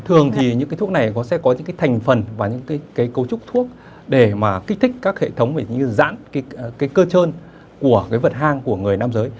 thường thì những cái thuốc này có sẽ có những cái thành phần và những cái cấu trúc thuốc để mà kích thích các hệ thống phải như giãn cái cơ trơn của cái vật hang của người nam giới